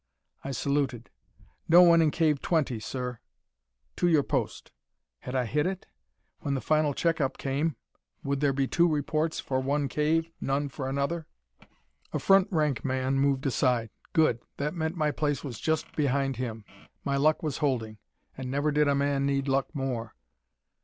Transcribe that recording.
I saluted. "No one in cave twenty, sir." "To your post." Had I hit it? When the final check up came would there be two reports for one cave, none for another? A front rank man moved aside. Good: that meant my place was just behind him. My luck was holding. And never did a man need luck more!